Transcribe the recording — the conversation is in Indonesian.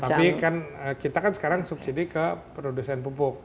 tapi kan kita kan sekarang subsidi ke produsen pupuk